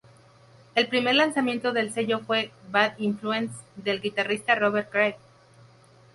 El primer lanzamiento del sello fue "Bad Influence "del guitarrista Robert Cray.